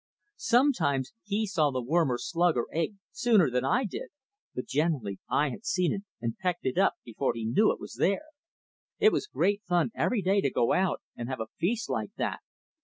Sometimes he saw the worm or slug or egg sooner than I did, but generally I had seen it and pecked it up before he knew it was there. It was great fun every day to go out and have a feast like that.